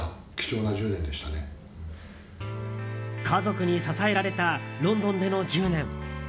家族に支えられたロンドンでの１０年。